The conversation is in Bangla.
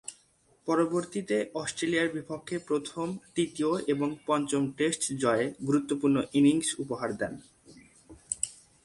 পরবর্তীতে অস্ট্রেলিয়ার বিপক্ষে প্রথম, তৃতীয় ও পঞ্চম টেস্ট জয়ে গুরুত্বপূর্ণ ইনিংস উপহার দেন।